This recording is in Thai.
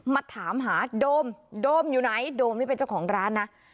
มาถามหาโดมโดมอยู่ไหนโดมนี่เป็นเจ้าของร้านนะ